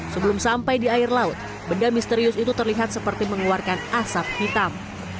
sebelum sampai di air laut benda misterius itu terlihat seperti mengeluarkan asap hitam